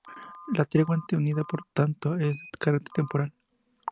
La tregua obtenida, por tanto, es de carácter temporal.